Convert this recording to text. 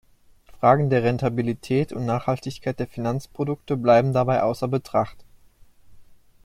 Fragen der Rentabilität und Nachhaltigkeit der Finanzprodukte bleiben dabei außer Betracht.